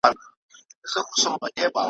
نو به کوچ وکړي د خلکو له سرونو `